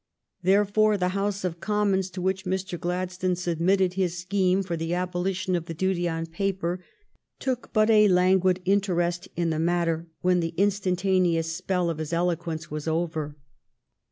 Therefore the House of Commons, to which Mr. Gladstone submitted his scheme for the abolition of the duty on paper, took but a languid interest in the matter when the instantaneous spell of his eloquence was over.